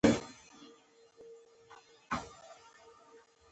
زه د نورو بریا ته خوشحاله کېږم.